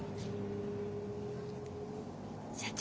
社長。